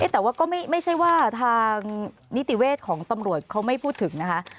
แต่ว่าก็ไม่ใช่ว่าทางนิติเวชของตำรวจเขาไม่พูดถึงนะคะ